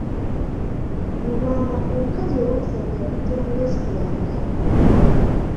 Lubwama omukazi owookusatu yamugya mu lesitulanta.